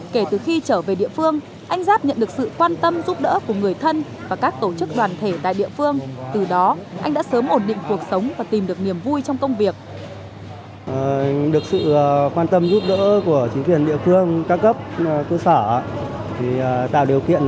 kể từ khi trở về địa phương anh giáp nhận được sự quan tâm giúp đỡ của người thân và các tổ chức đoàn thể tại địa phương từ đó anh đã sớm ổn định cuộc sống và tìm được niềm vui trong công việc